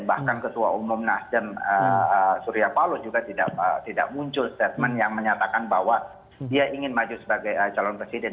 bahkan ketua umum nasdem surya paloh juga tidak muncul statement yang menyatakan bahwa dia ingin maju sebagai calon presiden